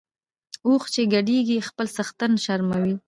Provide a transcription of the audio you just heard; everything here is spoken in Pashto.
اوښ چی ګډیږي خپل څښتن شرموي .